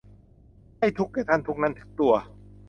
ให้ทุกข์แก่ท่าน ทุกข์นั้นถึงตัว